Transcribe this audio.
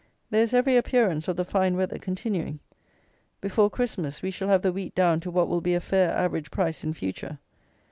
There is every appearance of the fine weather continuing. Before Christmas, we shall have the wheat down to what will be a fair average price in future.